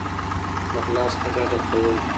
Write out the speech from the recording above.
د غلا څخه ډډه کول